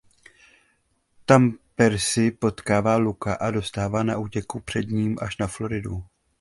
Tam Percy potkává Luka a dostává se na útěku před ním až na Floridu.